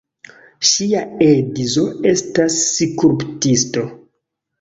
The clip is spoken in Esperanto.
Ŝia edzo estas skulptisto.